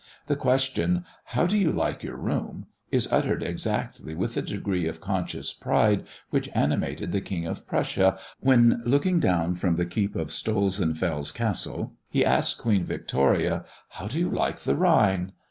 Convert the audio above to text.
The question, "How do you like your room?" is uttered exactly with that degree of conscious pride which animated the King of Prussia when, looking down from the keep of Stolzenfels Castle, he asked Queen Victoria, "How do you like the Rhine?"